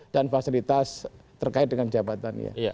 dan fasilitas terkait dengan jabatan